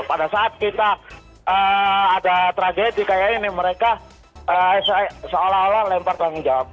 pada saat kita ada tragedi kayak ini mereka seolah olah lempar tanggung jawab